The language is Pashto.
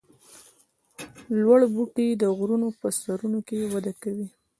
لوړ بوټي د غرونو په سرونو کې وده کوي